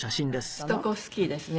ストコフスキーですね。